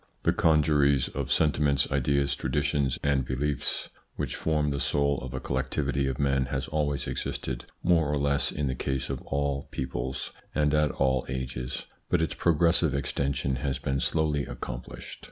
The congeries of sentiments, ideas, traditions, and beliefs which form the soul of a collectivity of men has always existed more or less in the case of all peoples and at all ages, but its progressive extension has been slowly accomplished.